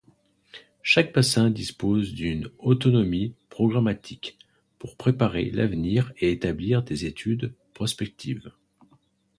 Chaque bassin dispose d’une autonomie programmatique pour préparer l’avenir et établir des études prospectives.